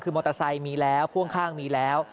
คือมอเตอร์ไซค์มีแล้วพ่วงข้างมีแล้ว